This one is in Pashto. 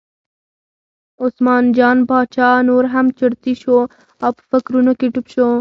عثمان جان باچا نور هم چرتي شو او په فکرونو کې ډوب شو.